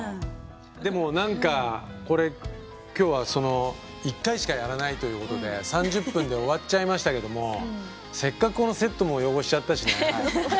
でも何かこれ今日はその１回しかやらないということで３０分で終わっちゃいましたけどもせっかくこのセットも汚しちゃったしね。